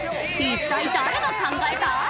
一体誰が考えた！？